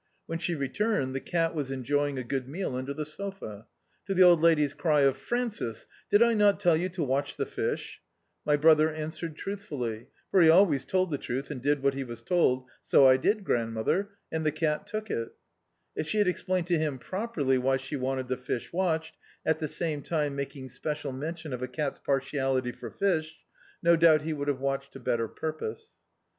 'When she returned, the cat was enjoying a good meal under the sofa. To the old lady's cry of "Francis, did I not tell you to watch the fish," my brother answered truthfully: for he always told the truth and did what he was told — "So I did, grand mother, and the cat took it" If she had expired to him properly why she wanted the fish wairhed, at the same time making special mention of a cat's partiality for fish, no doubt he would have watched to better purpose.